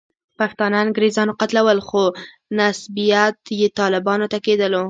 پښتانه انګریزانو قتلول، خو نسبیت یې طالبانو ته کېدلو.